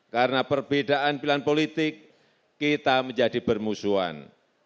karena perbedaan pilihan politik kita menjadi bermusuhan